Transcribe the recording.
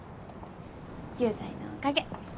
雄大のおかげ。